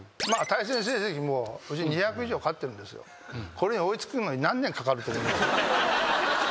これに追いつくのに何年かかると思います？